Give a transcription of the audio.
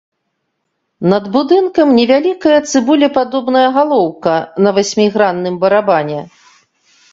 Над будынкам невялікая цыбулепадобная галоўка на васьмігранным барабане.